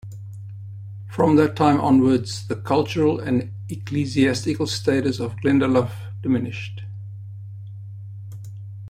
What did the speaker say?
From that time onwards, the cultural and ecclesiastical status of Glendalough diminished.